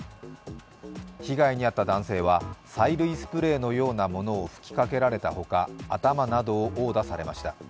被害に遭った男性は催涙スプレーのようなものを吹きかけられたほか頭などを殴打されました。